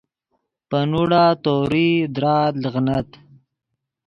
پے نوڑا تَوْریئی درآت لیغنت